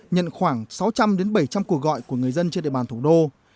nhận khoảng sáu trăm linh bảy trăm linh cuộc gọi của người dân trên địa bàn thủ đô